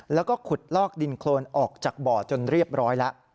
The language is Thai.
แล้วก็ขุดลอกดินโครนออกจากบ่อจนเรียบร้อยแล้ว